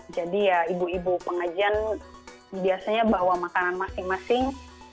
jadi ibu ibu pengajian biasanya bawa makanan masing masing